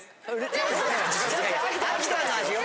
秋田の味よ